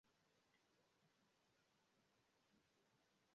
Dum la brazila diktaturo, li estis arestita pro sia politika agado en la ĵurnalo.